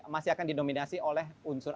masih akan dinominasi oleh unsur